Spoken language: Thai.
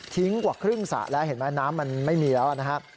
กว่าครึ่งสระแล้วเห็นไหมน้ำมันไม่มีแล้วนะครับ